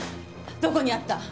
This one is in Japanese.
どこにあった？